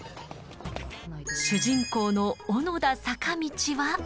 主人公の小野田坂道は。